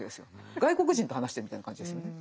外国人と話してるみたいな感じですよね。